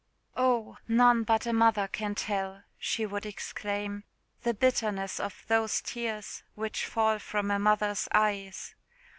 "Oh! none but a mother can tell," she would exclaim, "the bitterness of those tears which fall from a mother's eyes.